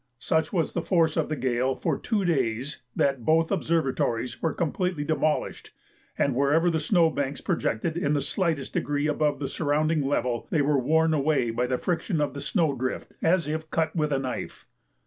Such was the force of the gale for two days that both observatories were completely demolished, and wherever the snow banks projected in the slightest degree above the surrounding level, they were worn away by the friction of the snow drift as if cut with a knife.